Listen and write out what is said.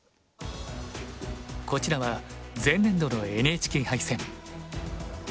こちらは前年度のＮＨＫ杯戦。